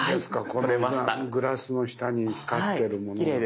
このグラスの下に光ってるものが。